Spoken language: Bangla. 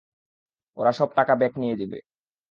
ওরা সব টাকা ব্যাক নিয়ে নিবে।